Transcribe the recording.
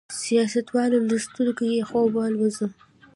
سیاستوالو له سترګو یې خوب والوځاوه.